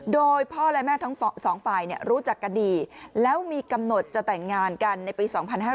โดยพ่อและแม่ทั้งสองฝ่ายรู้จักกันดีแล้วมีกำหนดจะแต่งงานกันในปี๒๕๕๙